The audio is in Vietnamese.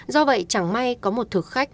do vậy chẳng may có một thực khách